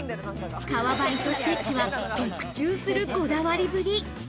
革張りとステッチは特注するこだわりぶり。